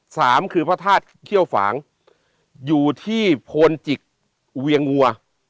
สามคือพระธาตุเขี้ยวฝางอยู่ที่โพนจิกเวียงวัว